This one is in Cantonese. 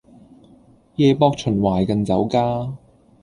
夜泊秦淮近酒家